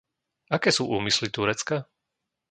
Aké sú úmysly Turecka?